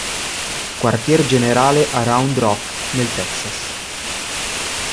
Quartier generale a Round Rock, nel Texas.